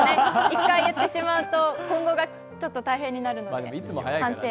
一回言ってしまうと今後がちょっと大変になるので反省。